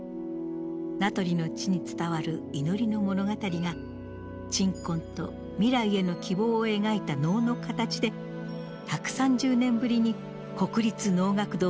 名取の地に伝わる祈りの物語が鎮魂と未来への希望を描いた能の形で１３０年ぶりに国立能楽堂で復活。